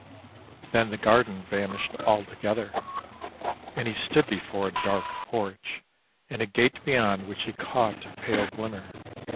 Then the garden vanished altogether, and he stood before a dark porch and a gate beyond which he caught a pale glimmer.